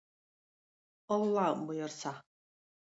Алла боерса